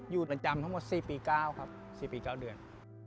อยู่เรือนจำทั้งหมด๔ปี๙ครับ๔ปี๙เดือน